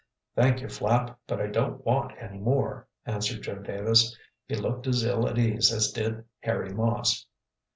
"Thank you, Flapp, but I don't want any more," answered Joe Davis. He looked as ill at ease as did Harry Moss.